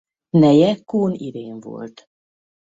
Neje Kohn Irén volt.